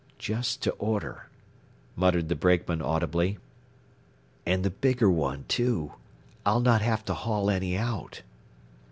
"Just to order," muttered the brakeman audibly. "And the bigger one, too. I'll not have to haul any out."